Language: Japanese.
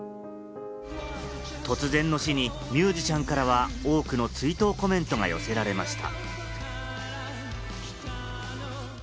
突然の死に、ミュージシャンからは多くの追悼コメントが寄せられました。